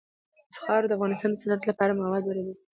خاوره د افغانستان د صنعت لپاره مواد برابروي.